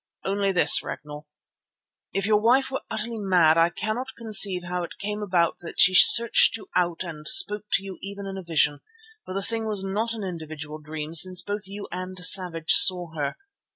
"Only this, Ragnall. If your wife were utterly mad I cannot conceive how it came about that she searched you out and spoke to you even in a vision—for the thing was not an individual dream since both you and Savage saw her.